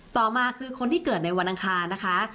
ต่อมาคือคนที่เกิดในวันอังคารนะคะ